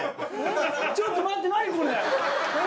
ちょっと待って何これ。